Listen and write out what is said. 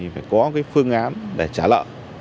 phải có phương án để trả lỡ